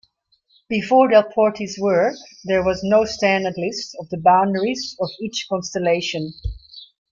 Before Delporte's work, there was no standard list of the boundaries of each constellation.